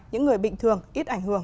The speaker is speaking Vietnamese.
những người bình thường ít ảnh hưởng